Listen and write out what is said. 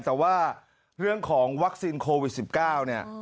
แต่ว่าเรื่องของวัคซีนโควิด๑๙เนี่ย